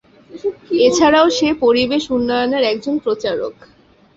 এছাড়াও সে পরিবেশ উন্নয়নের একজন প্রচারক।